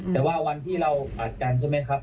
แต่ว่าวันที่เราอัดกันใช่ไหมครับ